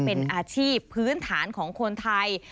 เป็นอาชีพพื้นฐานของคนไทย